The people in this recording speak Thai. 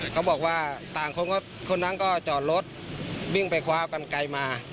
เขาบอกว่าต่างคนนั้นก็จอดรถวิ่งไปคว้ากันไกลมา